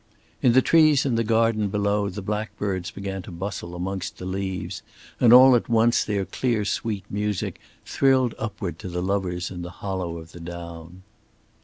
In the trees in the garden below the blackbirds began to bustle amongst the leaves, and all at once their clear, sweet music thrilled upward to the lovers in the hollow of the down.